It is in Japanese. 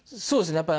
そうですね